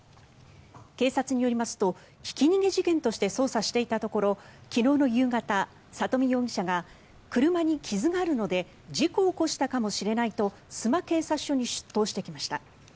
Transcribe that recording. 警察によりますとひき逃げ事件として捜査していたところ昨日の夕方、里見容疑者が車に傷があるので事故を起こしたかもしれないと須磨警察署に出頭してきました。